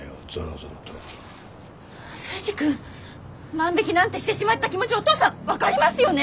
征二君万引きなんてしてしまった気持ちお父さん分かりますよね。